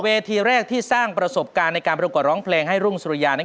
เวทีแรกที่สร้างประสบการณ์ในการประกวดร้องเพลงให้รุ่งสุริยา